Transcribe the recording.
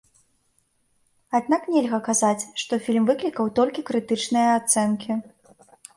Аднак нельга казаць, што фільм выклікаў толькі крытычныя ацэнкі.